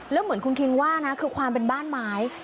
แล้วเหมือนคุณคิงว่านะคือความเป็นบ้านไม้